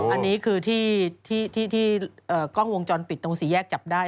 อันนี้คือที่กล้องวงจรปิดตรงสี่แยกจับได้